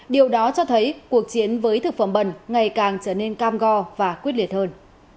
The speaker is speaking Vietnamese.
điều đó cho thấy cuộc chiến với thực phẩm bẩn ngày càng trở nên cam go và quyết liệt hơn